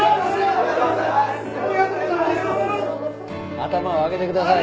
頭を上げてください。